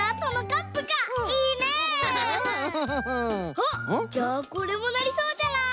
あっじゃあこれもなりそうじゃない？